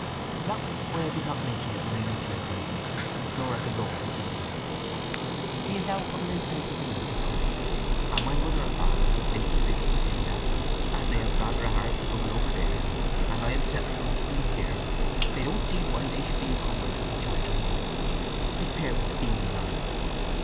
That was why I did not mention it when I met you in Christminster, nor at the law proceedings. He is now of an intelligent age, of course, and my mother and father have lately written to say that, as they have rather a hard struggle over there, and I am settled comfortably here, they don't see why they should be encumbered with the child any longer, his parents being alive.